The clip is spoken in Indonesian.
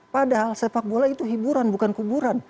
padahal sepak bola itu hiburan bukan kuburan